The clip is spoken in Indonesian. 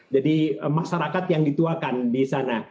jadi masyarakat yang dituakan di sana